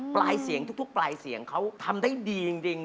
ปลายเสียงทุกปลายเสียงเขาทำได้ดีจริง